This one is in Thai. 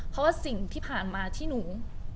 เพราะว่าสิ่งที่ผ่านมาที่หนู